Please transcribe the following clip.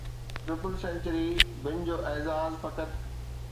triple century بن جو اعزاز فقط